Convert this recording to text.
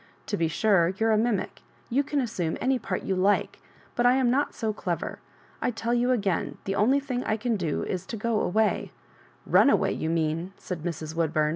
" To be sure, you're a mimic — you can assume any part you like ; but I am not so clever. I tell you agam, the only thing I can do is to go away "" Run away, you mean," said Mrs. "Woodbum.